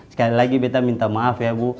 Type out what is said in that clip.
sekali lagi beta minta maaf ya bu